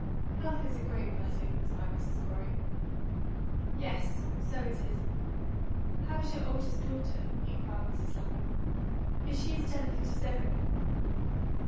"Health is a great blessing," sighed Mrs. Corey. "Yes, so it is. How is your oldest daughter?" inquired Mrs. Lapham. "Is she as delicate as ever?"